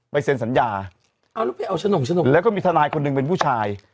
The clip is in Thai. เซ็นสัญญาเอาแล้วไปเอาโฉนกฉนมแล้วก็มีทนายคนหนึ่งเป็นผู้ชาย